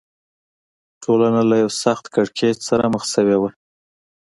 ټولنه له یوه سخت کړکېچ سره مخ شوې وه.